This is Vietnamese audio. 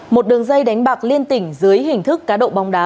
một đường dây đánh bạc liên tỉnh dưới hình thức cá độ bóng đá